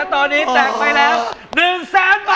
ตอนนี้แตกไปแล้ว๑สัน